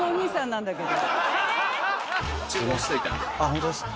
ホントですか？